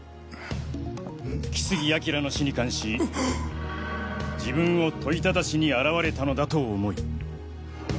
木杉彬の死に関し自分を問いただしに現れたのだと思い。